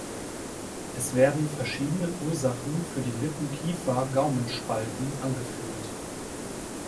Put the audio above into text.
Es werden verschiedene Ursachen für die Lippen-Kiefer-Gaumenspalten angeführt.